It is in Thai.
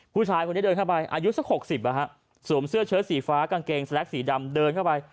ผู้ชายคนนี้เดินเข้าไปอายุสัก๖๐สวมเสื้อเชิดสีฟ้ากางเกงสแล็กสีดำเดินเข้าไป